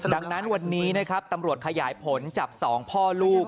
ดังนั้นวันนี้นะครับตำรวจขยายผลจับ๒พ่อลูก